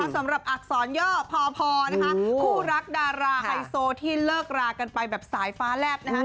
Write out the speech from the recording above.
สำหรับอักษรย่อพอนะคะคู่รักดาราไฮโซที่เลิกรากันไปแบบสายฟ้าแลบนะฮะ